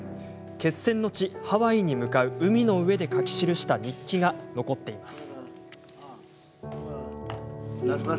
決戦の地・ハワイに向かう海の上で書き記した日記が残っています。